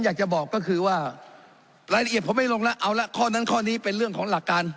อยากจะบอกก็คือว่ารายละเอียดผมไม่ลงแล้วเอาละข้อนั้นข้อนี้เป็นเรื่องของหลักการ